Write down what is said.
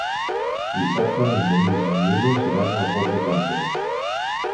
Dissabte en Genís i en Milos iran a les Borges Blanques.